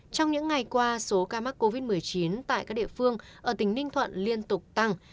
trong những ngày qua số ca mắc covid một mươi chín tại các địa phương ở tỉnh ninh thuận liên tục tăng